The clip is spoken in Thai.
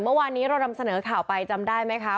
เมื่อวานนี้เรานำเสนอข่าวไปจำได้ไหมคะ